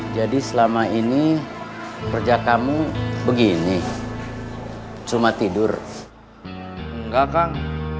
selama ini kerja kamu begini cuma tidur enggak kang